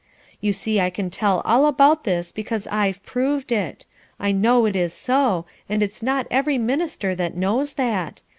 You see I can tell all about this because I've proved it. I know it is so, and it's not every minister that knows that.